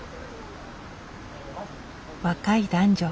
若い男女。